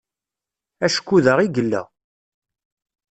Acku da i yella.